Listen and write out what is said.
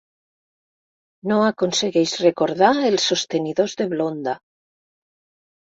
No aconsegueix recordar els sostenidors de blonda.